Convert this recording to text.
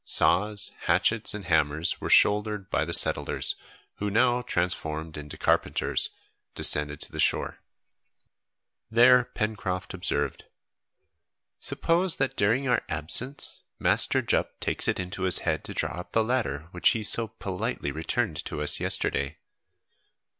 Saws, hatchets, and hammers were shouldered by the settlers, who, now transformed into carpenters, descended to the shore. There Pencroft observed, "Suppose, that during our absence, Master Jup takes it into his head to draw up the ladder which he so politely returned to us yesterday?"